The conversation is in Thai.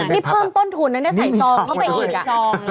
นี่เพิ่มต้นทุนนั้นเนี่ยใส่ซองเข้าไปอีก